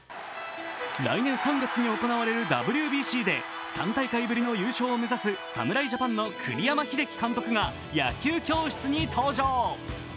来年３月に行われるＷＢＣで３大会ぶりの優勝を目指す侍ジャパンの栗山英樹監督が野球教室に登場。